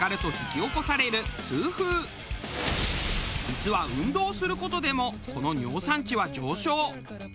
実は運動をする事でもこの尿酸値は上昇。